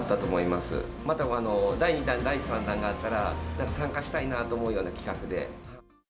また第２弾、第３弾があったら、参加したいなと思うような企画で。